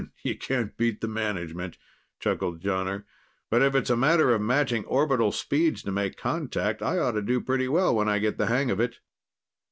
"You can't beat the management," chuckled Jonner. "But if it's a matter of matching orbital speeds to make contact, I ought to do pretty well when I get the hang of it."